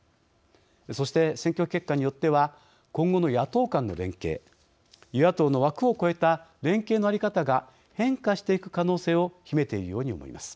そして、選挙結果によっては今後の野党間の連携与野党の枠を超えた連携の在り方が変化していく可能性を秘めているように思います。